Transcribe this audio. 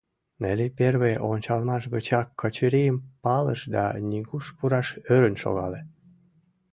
Нелли первый ончалмаш гычак Качырийым палыш да нигуш пураш ӧрын шогале.